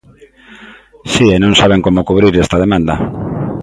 Si, e non saben como cubrir esta demanda.